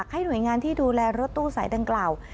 ให้หน่วยงานที่ดูแลรถตู้สายดังกล่าว